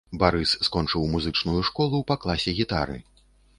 Барыс скончыў музычную школу па класе гітары.